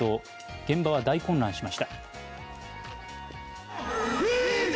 現場は大混乱しました。